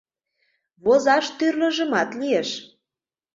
Возаш тӱрлыжымат лиеш.